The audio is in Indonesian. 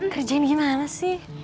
kerjain gimana sih